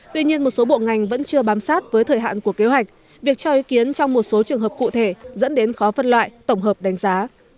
tuy nhiên một số bộ ngành vẫn chưa bám sát với thời hạn của kế hoạch việc cho ý kiến trong một số trường hợp cụ thể dẫn đến khó phân loại tổng hợp đánh giá